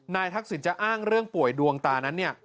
นายทักศิลป์จะอ้างเรื่องป่วยดวงตานั้น